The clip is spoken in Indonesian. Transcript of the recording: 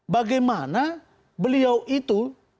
bagaimana beliau itu